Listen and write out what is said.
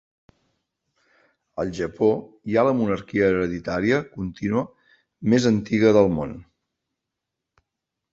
Al Japó hi ha la monarquia hereditària contínua més antiga del món.